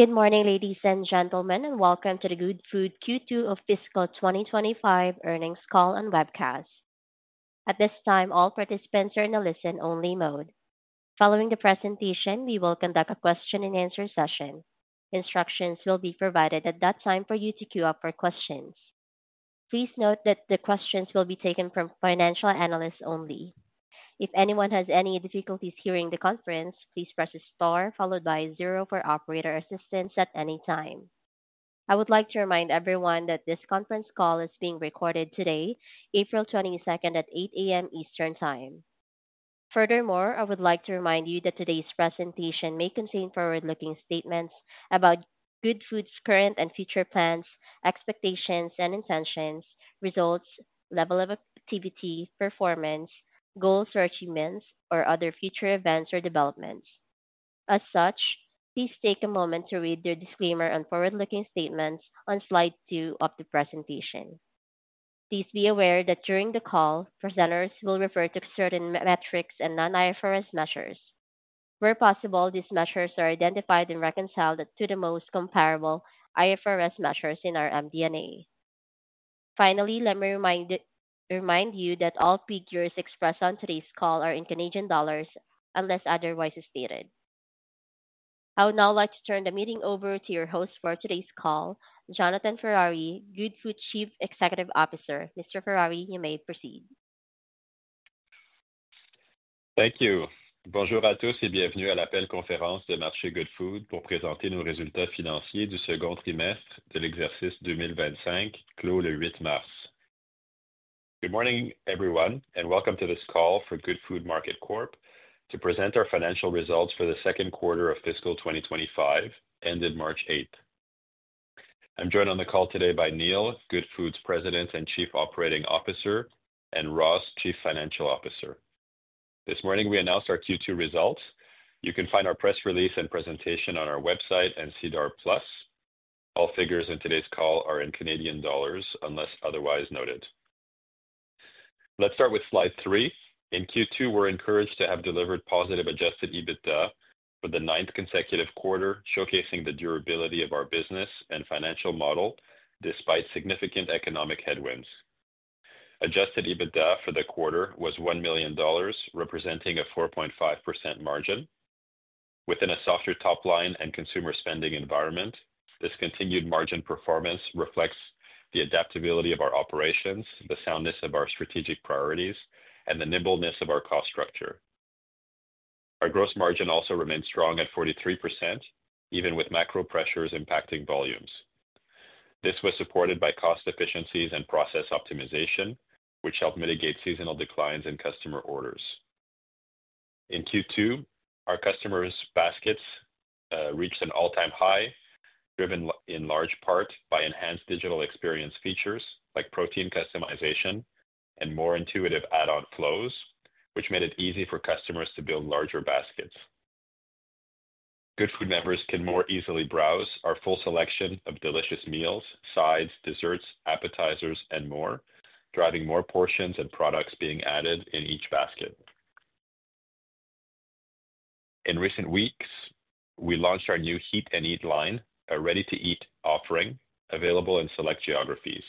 Good morning, ladies and gentlemen, and welcome to the Goodfood Q2 of Fiscal 2025 earnings call and webcast. At this time, all participants are in a listen-only mode. Following the presentation, we will conduct a question-and-answer session. Instructions will be provided at that time for you to queue up for questions. Please note that the questions will be taken from financial analysts only. If anyone has any difficulties hearing the conference, please press star followed by zero for operator assistance at any time. I would like to remind everyone that this conference call is being recorded today, April 22, at 8:00 A.M. Eastern Time. Furthermore, I would like to remind you that today's presentation may contain forward-looking statements about Goodfood's current and future plans, expectations and intentions, results, level of activity, performance, goals or achievements, or other future events or developments. As such, please take a moment to read the disclaimer and forward-looking statements on slide two of the presentation. Please be aware that during the call, presenters will refer to certain metrics and non-IFRS measures. Where possible, these measures are identified and reconciled to the most comparable IFRS measures in our MD&A. Finally, let me remind you that all figures expressed on today's call are in CAD unless otherwise stated. I would now like to turn the meeting over to your host for today's call, Jonathan Ferrari, Goodfood Chief Executive Officer. Mr. Ferrari, you may proceed. Thank you. Bonjour à tous et bienvenue à l'appel conférence des marchés Goodfood pour présenter nos résultats financiers du second trimestre de l'exercice 2025, clos le 8 mars. Good morning, everyone, and welcome to this call for Goodfood Market Corp to present our financial results for the second quarter of Fiscal 2025, ended March 8th. I'm joined on the call today by Neil, Goodfood's President and Chief Operating Officer, and Ross, Chief Financial Officer. This morning, we announced our Q2 results. You can find our press release and presentation on our website and SEDAR+. All figures in today's call are in CAD unless otherwise noted. Let's start with slide three. In Q2, we're encouraged to have delivered positive adjusted EBITDA for the ninth consecutive quarter, showcasing the durability of our business and financial model despite significant economic headwinds. Adjusted EBITDA for the quarter was 1 million dollars, representing a 4.5% margin. Within a softer top line and consumer spending environment, this continued margin performance reflects the adaptability of our operations, the soundness of our strategic priorities, and the nimbleness of our cost structure. Our gross margin also remained strong at 43%, even with macro pressures impacting volumes. This was supported by cost efficiencies and process optimization, which helped mitigate seasonal declines in customer orders. In Q2, our customers' baskets reached an all-time high, driven in large part by enhanced digital experience features like protein customization and more intuitive add-on flows, which made it easy for customers to build larger baskets. Goodfood members can more easily browse our full selection of delicious meals, sides, desserts, appetizers, and more, driving more portions and products being added in each basket. In recent weeks, we launched our new HEAT & EAT line, a ready-to-eat offering available in select geographies.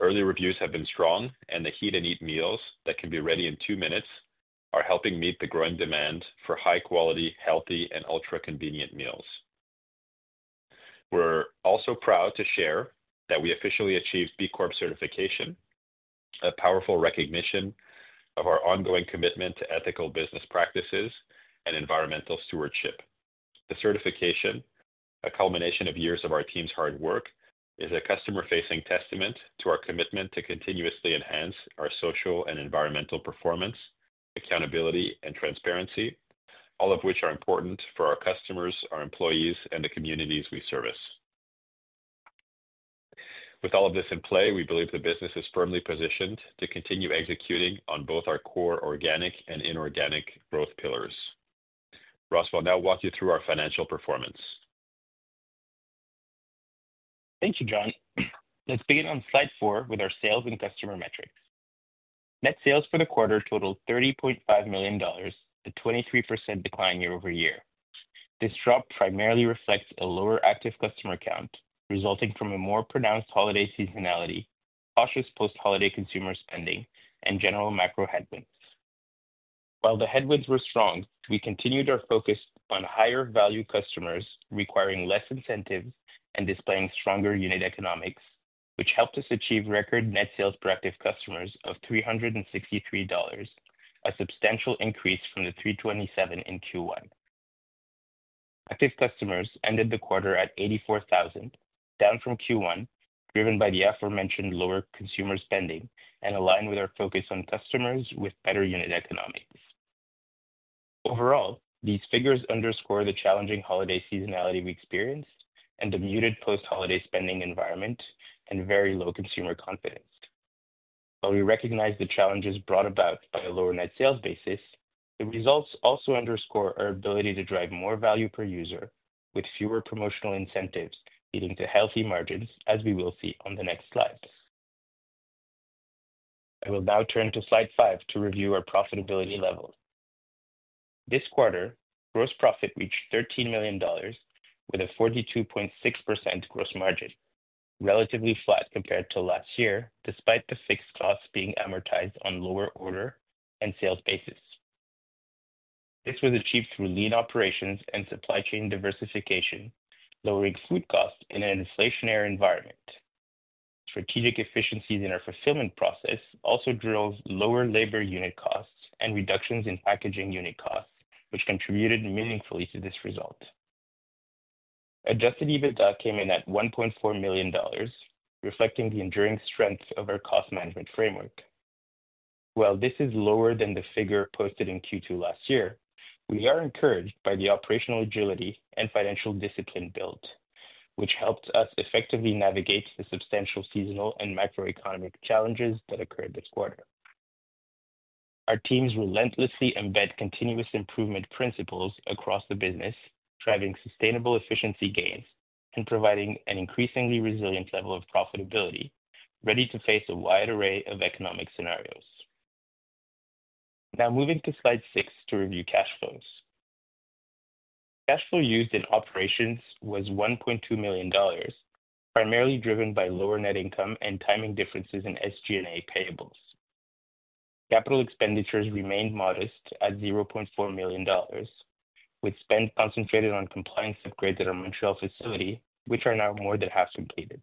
Early reviews have been strong, and the HEAT & EAT meals that can be ready in two minutes are helping meet the growing demand for high-quality, healthy, and ultra-convenient meals. We're also proud to share that we officially achieved B Corp certification, a powerful recognition of our ongoing commitment to ethical business practices and environmental stewardship. The certification, a culmination of years of our team's hard work, is a customer-facing testament to our commitment to continuously enhance our social and environmental performance, accountability, and transparency, all of which are important for our customers, our employees, and the communities we service. With all of this in play, we believe the business is firmly positioned to continue executing on both our core organic and inorganic growth pillars. Ross will now walk you through our financial performance. Thank you, John. Let's begin on slide four with our sales and customer metrics. Net sales for the quarter totaled 30.5 million dollars, a 23% decline year over year. This drop primarily reflects a lower active customer count, resulting from a more pronounced holiday seasonality, cautious post-holiday consumer spending, and general macro headwinds. While the headwinds were strong, we continued our focus on higher-value customers requiring less incentives and displaying stronger unit economics, which helped us achieve record net sales per active customer of 363 dollars, a substantial increase from the 327 in Q1. Active customers ended the quarter at 84,000, down from Q1, driven by the aforementioned lower consumer spending and aligned with our focus on customers with better unit economics. Overall, these figures underscore the challenging holiday seasonality we experienced and the muted post-holiday spending environment and very low consumer confidence. While we recognize the challenges brought about by a lower net sales basis, the results also underscore our ability to drive more value per user with fewer promotional incentives, leading to healthy margins, as we will see on the next slides. I will now turn to slide five to review our profitability level. This quarter, gross profit reached 13 million dollars with a 42.6% gross margin, relatively flat compared to last year, despite the fixed costs being amortized on lower order and sales basis. This was achieved through lean operations and supply chain diversification, lowering food costs in an inflationary environment. Strategic efficiencies in our fulfillment process also drove lower labor unit costs and reductions in packaging unit costs, which contributed meaningfully to this result. Adjusted EBITDA came in at 1.4 million dollars, reflecting the enduring strength of our cost management framework. While this is lower than the figure posted in Q2 last year, we are encouraged by the operational agility and financial discipline built, which helped us effectively navigate the substantial seasonal and macroeconomic challenges that occurred this quarter. Our teams relentlessly embed continuous improvement principles across the business, driving sustainable efficiency gains and providing an increasingly resilient level of profitability, ready to face a wide array of economic scenarios. Now, moving to slide six to review cash flows. Cash flow used in operations was 1.2 million dollars, primarily driven by lower net income and timing differences in SG&A payables. Capital expenditures remained modest at 0.4 million dollars, with spend concentrated on compliance upgrades at our Montreal facility, which are now more than half completed.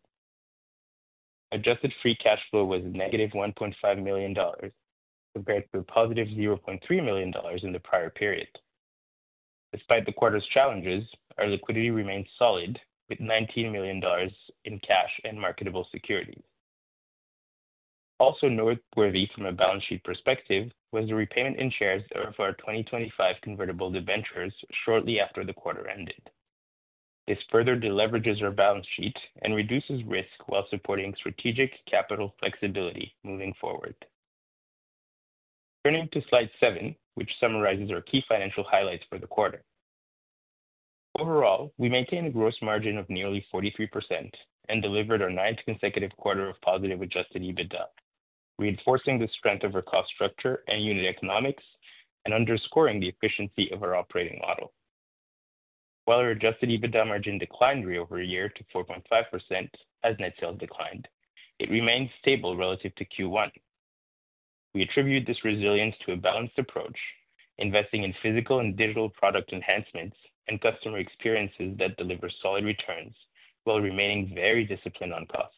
Adjusted free cash flow was negative 1.5 million dollars compared to a positive 0.3 million dollars in the prior period. Despite the quarter's challenges, our liquidity remained solid, with 19 million dollars in cash and marketable securities. Also noteworthy from a balance sheet perspective was the repayment in shares of our 2025 convertible debentures shortly after the quarter ended. This further deleverages our balance sheet and reduces risk while supporting strategic capital flexibility moving forward. Turning to slide seven, which summarizes our key financial highlights for the quarter. Overall, we maintained a gross margin of nearly 43% and delivered our ninth consecutive quarter of positive adjusted EBITDA, reinforcing the strength of our cost structure and unit economics and underscoring the efficiency of our operating model. While our adjusted EBITDA margin declined year-over-year to 4.5% as net sales declined, it remained stable relative to Q1. We attribute this resilience to a balanced approach, investing in physical and digital product enhancements and customer experiences that deliver solid returns while remaining very disciplined on cost.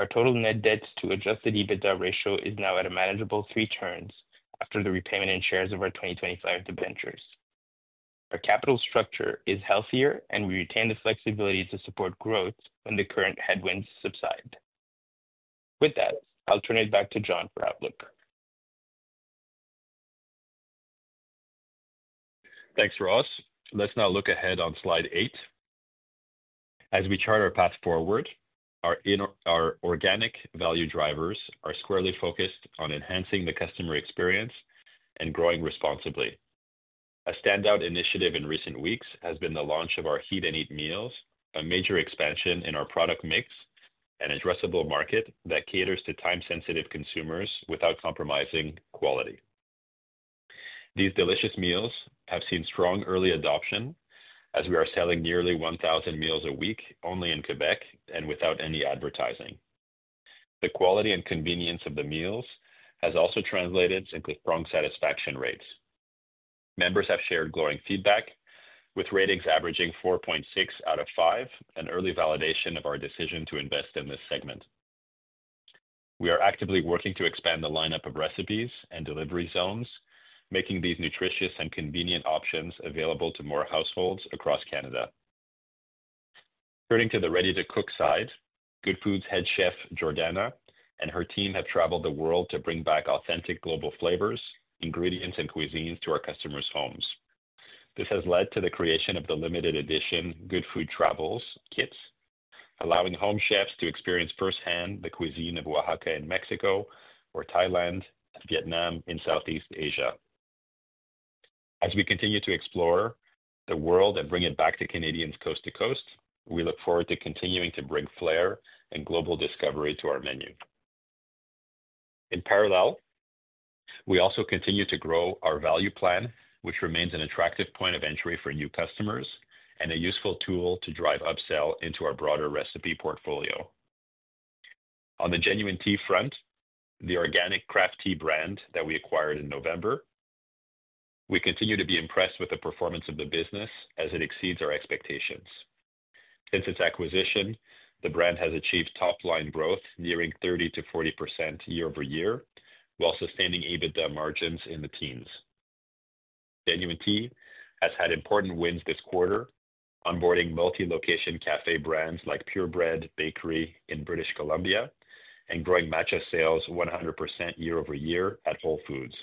Our total net debt to adjusted EBITDA ratio is now at a manageable three turns after the repayment in shares of our 2025 debentures. Our capital structure is healthier, and we retain the flexibility to support growth when the current headwinds subside. With that, I'll turn it back to John for outlook. Thanks, Ross. Let's now look ahead on slide eight. As we chart our path forward, our organic value drivers are squarely focused on enhancing the customer experience and growing responsibly. A standout initiative in recent weeks has been the launch of our HEAT & EAT meals, a major expansion in our product mix and addressable market that caters to time-sensitive consumers without compromising quality. These delicious meals have seen strong early adoption as we are selling nearly 1,000 meals a week only in Quebec and without any advertising. The quality and convenience of the meals has also translated into strong satisfaction rates. Members have shared glowing feedback, with ratings averaging 4.6 out of 5 and early validation of our decision to invest in this segment. We are actively working to expand the lineup of recipes and delivery zones, making these nutritious and convenient options available to more households across Canada. Turning to the ready-to-cook side, Goodfood's head chef, Jordana, and her team have traveled the world to bring back authentic global flavors, ingredients, and cuisines to our customers' homes. This has led to the creation of the limited edition Goodfood Travels kits, allowing home chefs to experience firsthand the cuisine of Oaxaca in Mexico or Thailand and Vietnam in Southeast Asia. As we continue to explore the world and bring it back to Canadians coast to coast, we look forward to continuing to bring flair and global discovery to our menu. In parallel, we also continue to grow our value plan, which remains an attractive point of entry for new customers and a useful tool to drive upsell into our broader recipe portfolio. On the Genuine Tea front, the organic craft tea brand that we acquired in November, we continue to be impressed with the performance of the business as it exceeds our expectations. Since its acquisition, the brand has achieved top-line growth nearing 30-40% year over year while sustaining EBITDA margins in the teens. Genuine Tea has had important wins this quarter, onboarding multi-location café brands like Purebread Bakery in British Columbia and growing matcha sales 100% year over year at Whole Foods.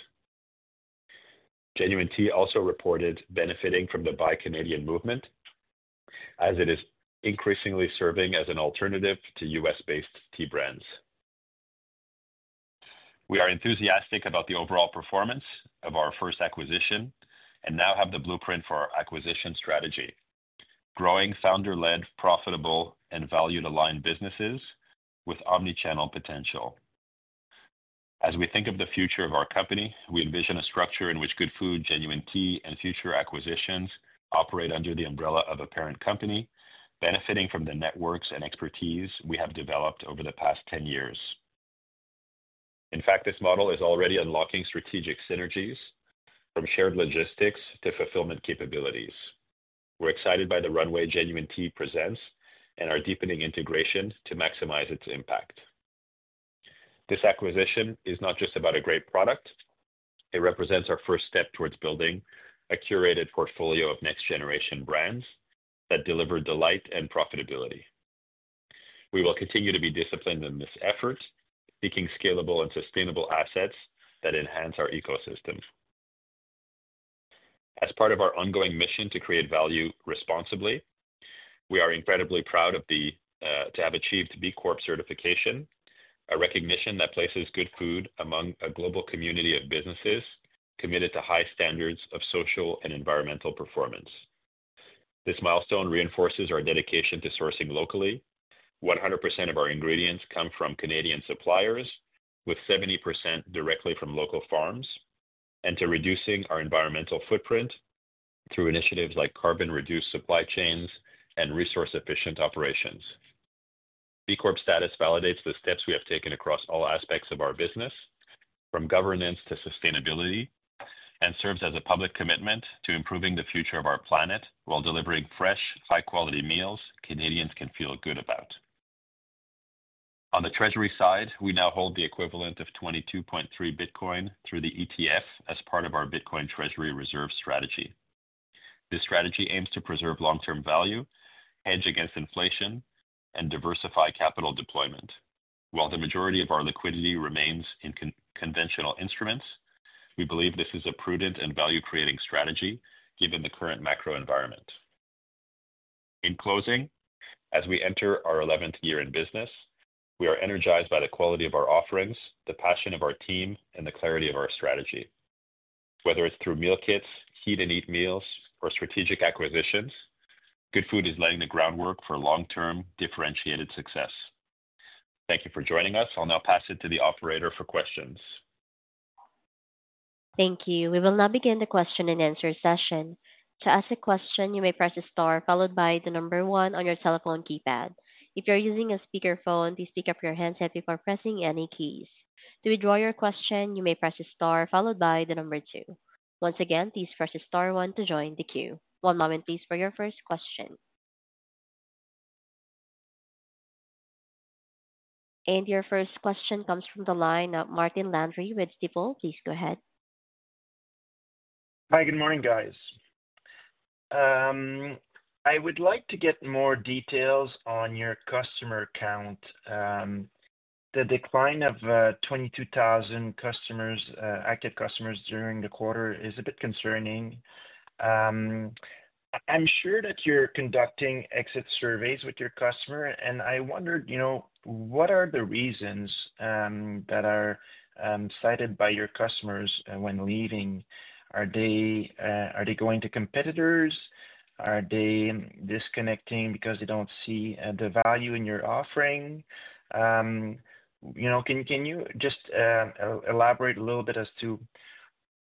Genuine Tea also reported benefiting from the Buy Canadian movement as it is increasingly serving as an alternative to U.S.-based tea brands. We are enthusiastic about the overall performance of our first acquisition and now have the blueprint for our acquisition strategy, growing founder-led, profitable, and value-aligned businesses with omnichannel potential. As we think of the future of our company, we envision a structure in which Goodfood, Genuine Tea, and future acquisitions operate under the umbrella of a parent company, benefiting from the networks and expertise we have developed over the past 10 years. In fact, this model is already unlocking strategic synergies, from shared logistics to fulfillment capabilities. We're excited by the runway Genuine Tea presents and our deepening integration to maximize its impact. This acquisition is not just about a great product; it represents our first step towards building a curated portfolio of next-generation brands that deliver delight and profitability. We will continue to be disciplined in this effort, seeking scalable and sustainable assets that enhance our ecosystem. As part of our ongoing mission to create value responsibly, we are incredibly proud to have achieved B Corp certification, a recognition that places Goodfood among a global community of businesses committed to high standards of social and environmental performance. This milestone reinforces our dedication to sourcing locally: 100% of our ingredients come from Canadian suppliers, with 70% directly from local farms, and to reducing our environmental footprint through initiatives like carbon-reduced supply chains and resource-efficient operations. B Corp status validates the steps we have taken across all aspects of our business, from governance to sustainability, and serves as a public commitment to improving the future of our planet while delivering fresh, high-quality meals Canadians can feel good about. On the treasury side, we now hold the equivalent of 22.3 Bitcoin through the ETF as part of our Bitcoin treasury reserve strategy. This strategy aims to preserve long-term value, hedge against inflation, and diversify capital deployment. While the majority of our liquidity remains in conventional instruments, we believe this is a prudent and value-creating strategy given the current macro environment. In closing, as we enter our 11th year in business, we are energized by the quality of our offerings, the passion of our team, and the clarity of our strategy. Whether it's through meal kits, HEAT & EAT meals, or strategic acquisitions, Goodfood is laying the groundwork for long-term differentiated success. Thank you for joining us. I'll now pass it to the operator for questions. Thank you. We will now begin the question and answer session. To ask a question, you may press the star followed by the number one on your telephone keypad. If you're using a speakerphone, please pick up your handset before pressing any keys. To withdraw your question, you may press the star followed by the number two. Once again, please press the star one to join the queue. One moment, please, for your first question. Your first question comes from the line of Martin Landry with Desjardins. Please go ahead. Hi, good morning, guys. I would like to get more details on your customer count. The decline of 22,000 active customers during the quarter is a bit concerning. I'm sure that you're conducting exit surveys with your customer, and I wondered, what are the reasons that are cited by your customers when leaving? Are they going to competitors? Are they disconnecting because they don't see the value in your offering? Can you just elaborate a little bit as to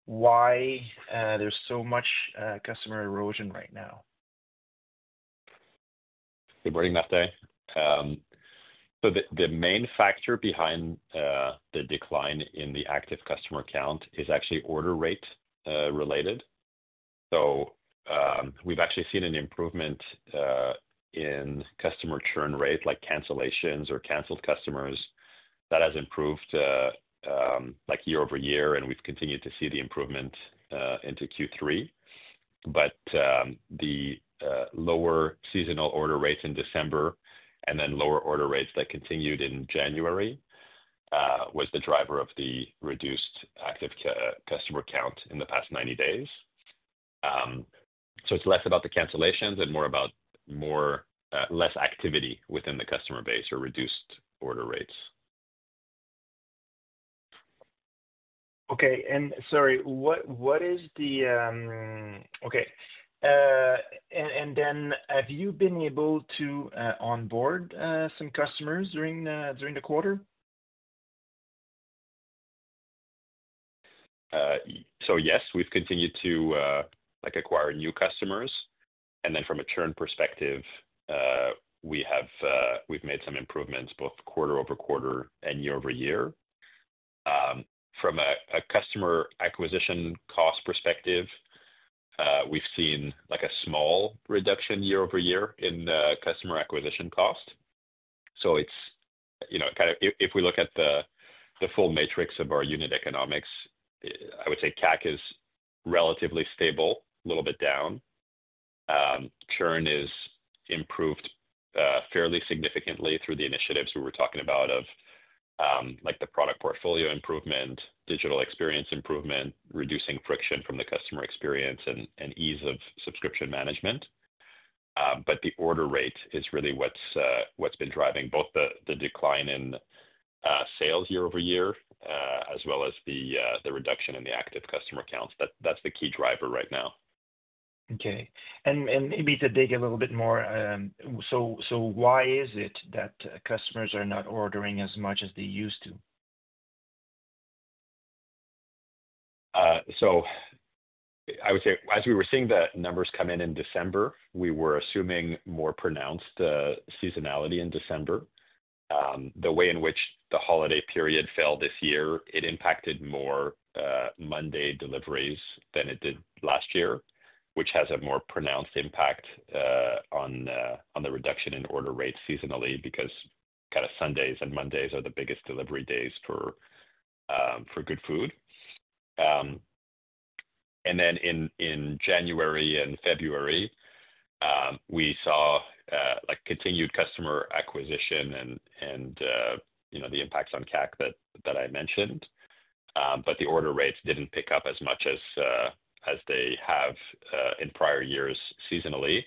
why there's so much customer erosion right now? Good morning, Mattei. The main factor behind the decline in the active customer count is actually order rate related. We have actually seen an improvement in customer churn rate, like cancellations or canceled customers. That has improved year over year, and we have continued to see the improvement into Q3. The lower seasonal order rates in December and then lower order rates that continued in January was the driver of the reduced active customer count in the past 90 days. It is less about the cancellations and more about less activity within the customer base or reduced order rates. Okay. Sorry, what is the—okay. Have you been able to onboard some customers during the quarter? Yes, we've continued to acquire new customers. From a churn perspective, we've made some improvements both quarter over quarter and year over year. From a customer acquisition cost perspective, we've seen a small reduction year over year in customer acquisition cost. If we look at the full matrix of our unit economics, I would say CAC is relatively stable, a little bit down. Churn is improved fairly significantly through the initiatives we were talking about of the product portfolio improvement, digital experience improvement, reducing friction from the customer experience, and ease of subscription management. The order rate is really what's been driving both the decline in sales year over year as well as the reduction in the active customer counts. That's the key driver right now. Okay. Maybe to dig a little bit more, why is it that customers are not ordering as much as they used to? I would say as we were seeing the numbers come in in December, we were assuming more pronounced seasonality in December. The way in which the holiday period fell this year, it impacted more Monday deliveries than it did last year, which has a more pronounced impact on the reduction in order rates seasonally because kind of Sundays and Mondays are the biggest delivery days for Goodfood. Then in January and February, we saw continued customer acquisition and the impacts on CAC that I mentioned. The order rates did not pick up as much as they have in prior years seasonally.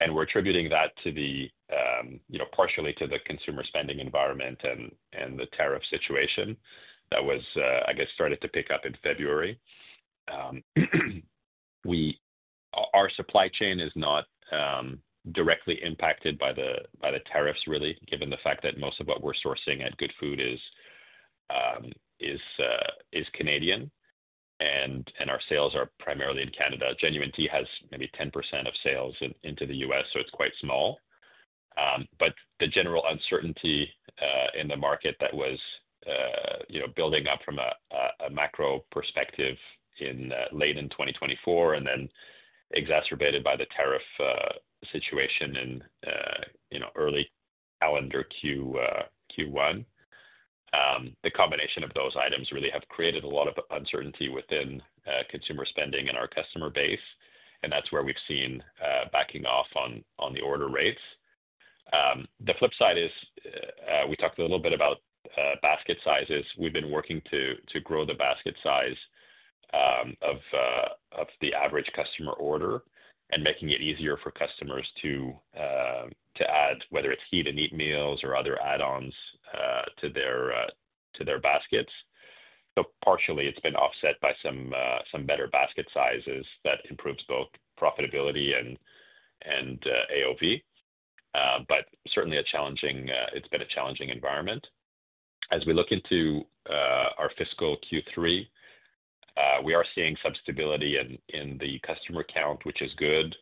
We are attributing that partially to the consumer spending environment and the tariff situation that was, I guess, started to pick up in February. Our supply chain is not directly impacted by the tariffs, really, given the fact that most of what we're sourcing at Goodfood is Canadian and our sales are primarily in Canada. Genuine Tea has maybe 10% of sales into the U.S., so it's quite small. The general uncertainty in the market that was building up from a macro perspective in late in 2024 and then exacerbated by the tariff situation in early calendar Q1, the combination of those items really have created a lot of uncertainty within consumer spending and our customer base. That's where we've seen backing off on the order rates. The flip side is we talked a little bit about basket sizes. We've been working to grow the basket size of the average customer order and making it easier for customers to add, whether it's HEAT & EAT meals or other add-ons to their baskets. Partially, it's been offset by some better basket sizes that improves both profitability and AOV. Certainly, it's been a challenging environment. As we look into our fiscal Q3, we are seeing some stability in the customer count, which is good.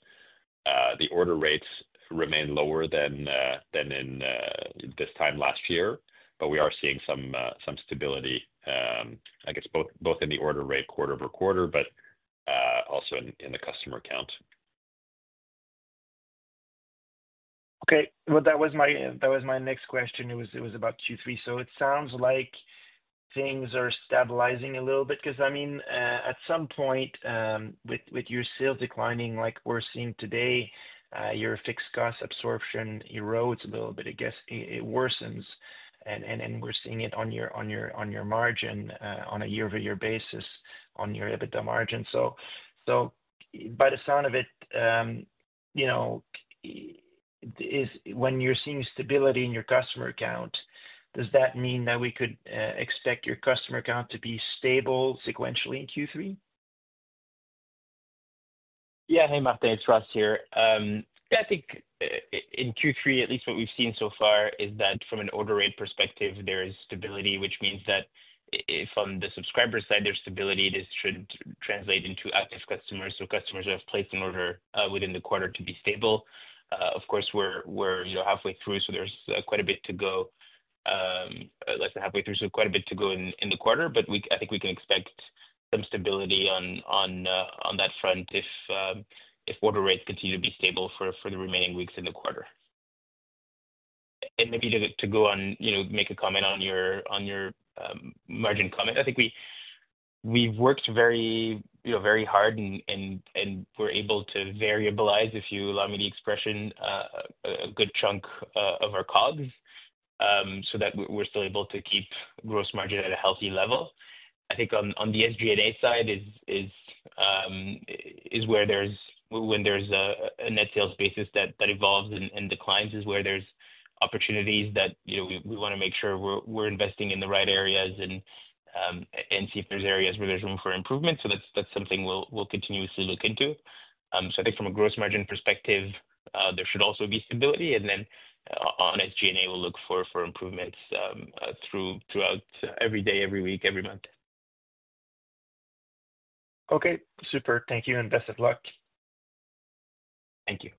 The order rates remain lower than this time last year, but we are seeing some stability, I guess, both in the order rate quarter over quarter, but also in the customer count. Okay. That was my next question. It was about Q3. It sounds like things are stabilizing a little bit because, I mean, at some point with your sales declining, like we're seeing today, your fixed cost absorption erodes a little bit. I guess it worsens, and then we're seeing it on your margin on a year-over-year basis on your EBITDA margin. By the sound of it, when you're seeing stability in your customer count, does that mean that we could expect your customer count to be stable sequentially in Q3? Yeah. Hey, Mattei, Ross here. Yeah, I think in Q3, at least what we've seen so far is that from an order rate perspective, there is stability, which means that if on the subscriber side, there's stability, this should translate into active customers. So customers who have placed an order within the quarter to be stable. Of course, we're halfway through, so there's quite a bit to go. Less than halfway through, so quite a bit to go in the quarter. I think we can expect some stability on that front if order rates continue to be stable for the remaining weeks in the quarter. Maybe to go on, make a comment on your margin comment. I think we've worked very hard and we're able to variabilize, if you allow me the expression, a good chunk of our COGS so that we're still able to keep gross margin at a healthy level. I think on the SG&A side is where there's when there's a net sales basis that evolves and declines is where there's opportunities that we want to make sure we're investing in the right areas and see if there's areas where there's room for improvement. That's something we'll continuously look into. I think from a gross margin perspective, there should also be stability. On SG&A, we'll look for improvements throughout every day, every week, every month. Okay. Super. Thank you. Best of luck. Thank you.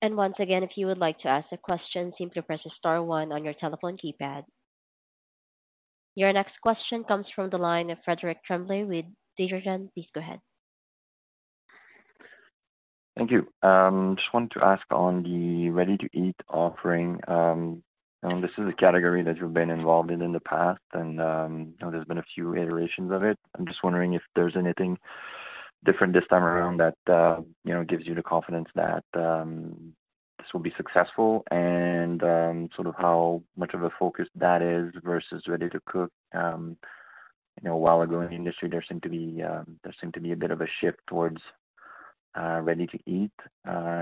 If you would like to ask a question, simply press the star one on your telephone keypad. Your next question comes from the line of Frederic Tremblay with Desjardins. Please go ahead. Thank you. I just wanted to ask on the ready-to-eat offering. This is a category that we've been involved in in the past, and there's been a few iterations of it. I'm just wondering if there's anything different this time around that gives you the confidence that this will be successful and sort of how much of a focus that is versus ready-to-cook. A while ago in the industry, there seemed to be a bit of a shift towards ready-to-eat.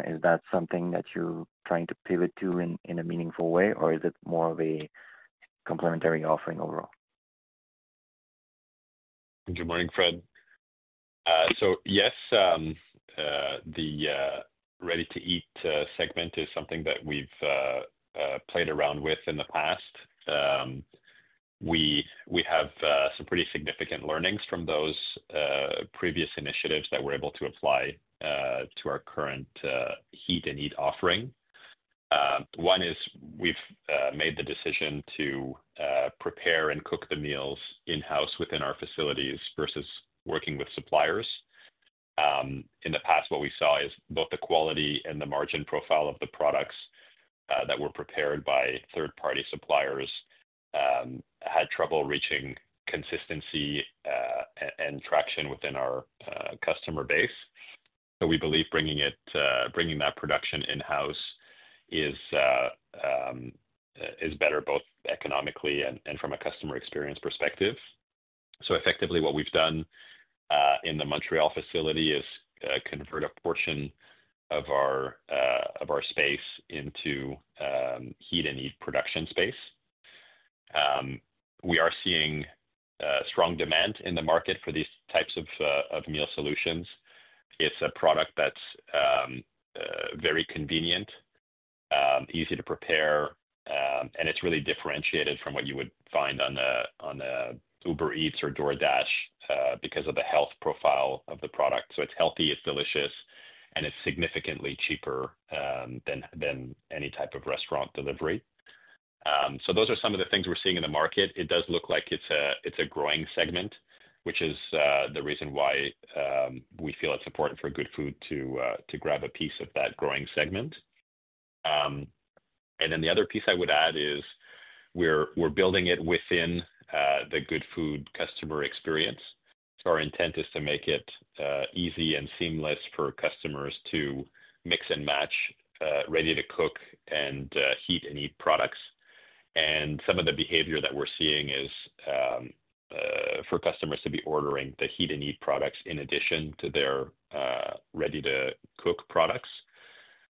Is that something that you're trying to pivot to in a meaningful way, or is it more of a complementary offering overall? Good morning, Fred. Yes, the ready-to-eat segment is something that we've played around with in the past. We have some pretty significant learnings from those previous initiatives that we're able to apply to our current HEAT & EAT offering. One is we've made the decision to prepare and cook the meals in-house within our facilities versus working with suppliers. In the past, what we saw is both the quality and the margin profile of the products that were prepared by third-party suppliers had trouble reaching consistency and traction within our customer base. We believe bringing that production in-house is better both economically and from a customer experience perspective. Effectively, what we've done in the Montreal facility is convert a portion of our space into HEAT & EAT production space. We are seeing strong demand in the market for these types of meal solutions. It's a product that's very convenient, easy to prepare, and it's really differentiated from what you would find on Uber Eats or DoorDash because of the health profile of the product. It's healthy, it's delicious, and it's significantly cheaper than any type of restaurant delivery. Those are some of the things we're seeing in the market. It does look like it's a growing segment, which is the reason why we feel it's important for Goodfood to grab a piece of that growing segment. The other piece I would add is we're building it within the Goodfood customer experience. Our intent is to make it easy and seamless for customers to mix and match ready-to-cook and HEAT & EAT products. Some of the behavior that we're seeing is for customers to be ordering the HEAT & EAT products in addition to their ready-to-cook products,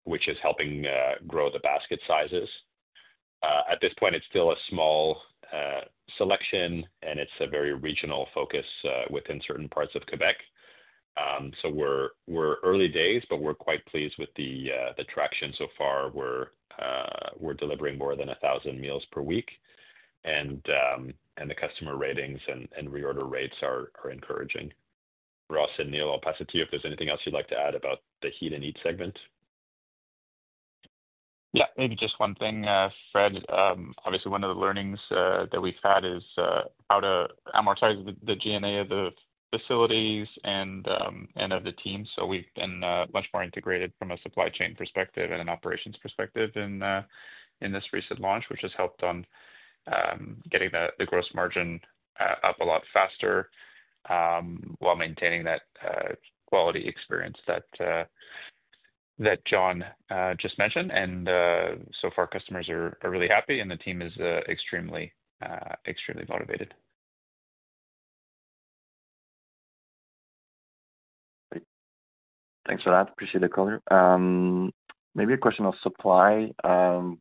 which is helping grow the basket sizes. At this point, it's still a small selection, and it's a very regional focus within certain parts of Quebec. We're early days, but we're quite pleased with the traction so far. We're delivering more than 1,000 meals per week, and the customer ratings and reorder rates are encouraging. Ross and Neil, I'll pass it to you if there's anything else you'd like to add about the HEAT & EAT segment. Yeah. Maybe just one thing, Fred. Obviously, one of the learnings that we've had is how to amortize the G&A of the facilities and of the team. We have been much more integrated from a supply chain perspective and an operations perspective in this recent launch, which has helped on getting the gross margin up a lot faster while maintaining that quality experience that John just mentioned. So far, customers are really happy, and the team is extremely motivated. Thanks for that. Appreciate the call. Maybe a question of supply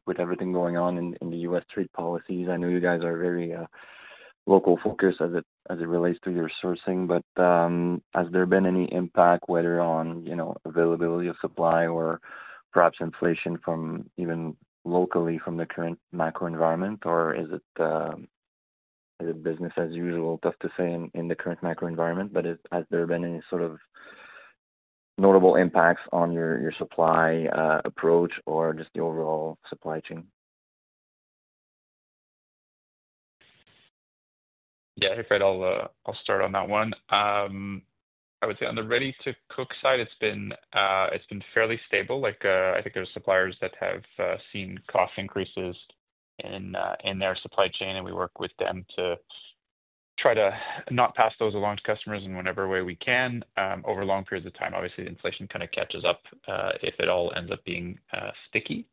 with everything going on in the U.S. trade policies. I know you guys are very local-focused as it relates to your sourcing, but has there been any impact, whether on availability of supply or perhaps inflation from even locally from the current macro environment, or is it business as usual? Tough to say in the current macro environment, but has there been any sort of notable impacts on your supply approach or just the overall supply chain? Yeah. Hey, Fred. I'll start on that one. I would say on the ready-to-cook side, it's been fairly stable. I think there are suppliers that have seen cost increases in their supply chain, and we work with them to try to not pass those along to customers in whatever way we can over long periods of time. Obviously, the inflation kind of catches up if it all ends up being sticky.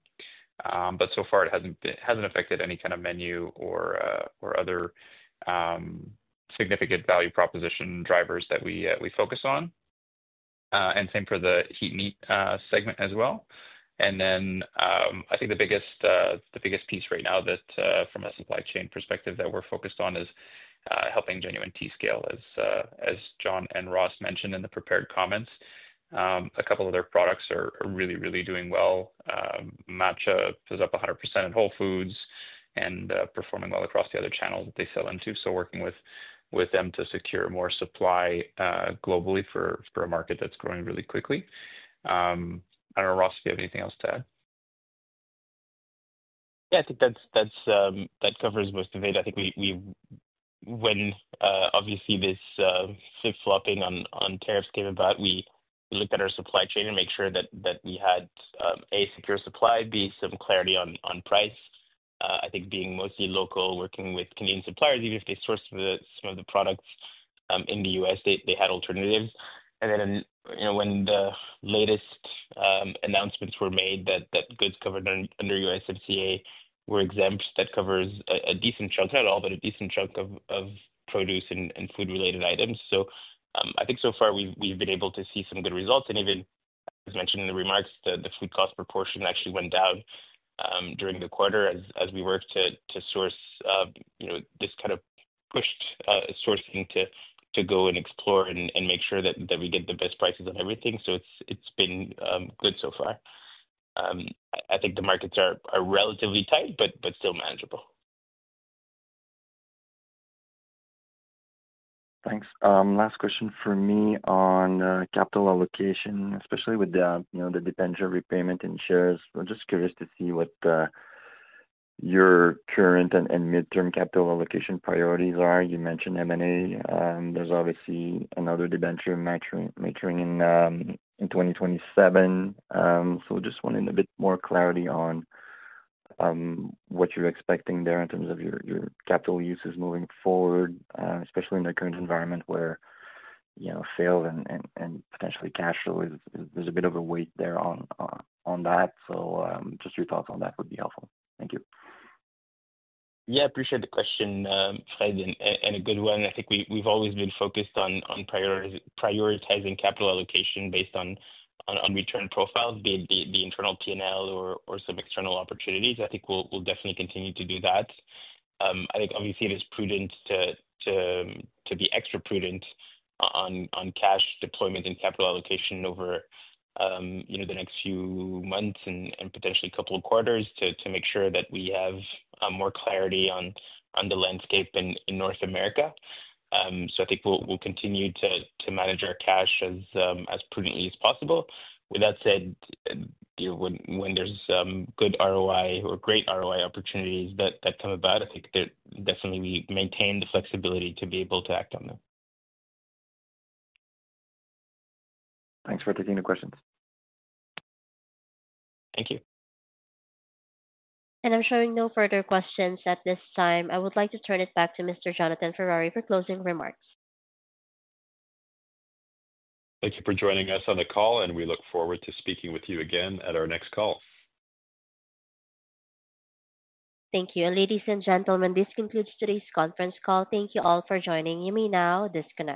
So far, it hasn't affected any kind of menu or other significant value proposition drivers that we focus on. Same for the HEAT & EAT segment as well. I think the biggest piece right now from a supply chain perspective that we're focused on is helping Genuine Tea scale, as John and Ross mentioned in the prepared comments. A couple of their products are really, really doing well. Matcha is up 100% in Whole Foods and performing well across the other channels that they sell into. Working with them to secure more supply globally for a market that's growing really quickly. I don't know, Ross, if you have anything else to add. Yeah. I think that covers most of it. I think when obviously this flip-flopping on tariffs came about, we looked at our supply chain and made sure that we had, A, secure supply, B, some clarity on price. I think being mostly local, working with Canadian suppliers, even if they sourced some of the products in the U.S., they had alternatives. When the latest announcements were made that goods covered under USMCA were exempt, that covers a decent chunk, not all, but a decent chunk of produce and food-related items. I think so far, we've been able to see some good results. Even, as mentioned in the remarks, the food cost proportion actually went down during the quarter as we worked to source. This kind of pushed sourcing to go and explore and make sure that we get the best prices on everything. It has been good so far. I think the markets are relatively tight, but still manageable. Thanks. Last question for me on capital allocation, especially with the debenture repayment and shares. I'm just curious to see what your current and midterm capital allocation priorities are. You mentioned M&A. There's obviously another debenture maturing in 2027. Just wanting a bit more clarity on what you're expecting there in terms of your capital uses moving forward, especially in the current environment where sales and potentially cash flow, there's a bit of a weight there on that. Just your thoughts on that would be helpful. Thank you. Yeah. I appreciate the question, Fred, and a good one. I think we've always been focused on prioritizing capital allocation based on return profiles, be it the internal P&L or some external opportunities. I think we'll definitely continue to do that. I think obviously it is prudent to be extra prudent on cash deployment and capital allocation over the next few months and potentially a couple of quarters to make sure that we have more clarity on the landscape in North America. I think we'll continue to manage our cash as prudently as possible. With that said, when there's good ROI or great ROI opportunities that come about, I think definitely we maintain the flexibility to be able to act on them. Thanks for taking the questions. Thank you. I'm showing no further questions at this time. I would like to turn it back to Mr. Jonathan Ferrari for closing remarks. Thank you for joining us on the call, and we look forward to speaking with you again at our next call. Thank you. Ladies and gentlemen, this concludes today's conference call. Thank you all for joining. You may now disconnect.